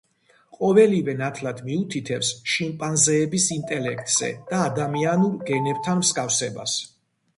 ყოველივე ნათლად მიუთითებს შიმპანზეების ინტელექტზე და ადამიანურ გენებთან მსგავსებას.